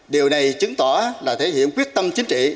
điều này chứng tỏ là thể hiện quyết tâm chính trị